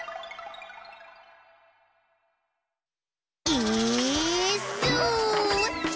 「イーッス」